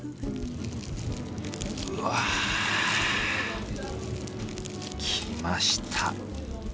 うわぁきました。